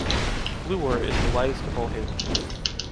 Fluor is the lightest of all halogens